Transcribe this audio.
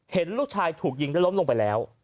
เห็นลูกชายถูกยิงและล้มลงไปแล้ว